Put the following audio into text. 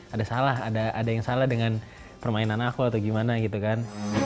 ada salah ada yang salah dengan permainan aku atau gimana gitu kan